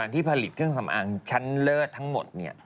ที่ผลิตเครื่องสำอางชั้นเลิศทั้งหมด